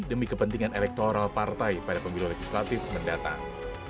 demi kepentingan elektoral partai pada pemilu legislatif mendatang